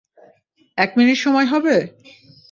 এক মিনিট সময় হবে?